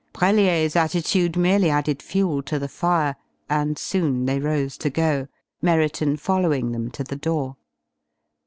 Brellier's attitude merely added fuel to the fire and soon they rose to go, Merriton following them to the door.